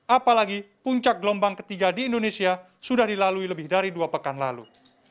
apalagi puncak gelombang ketiga di indonesia sudah dilalui lebih dari dua pekan lalu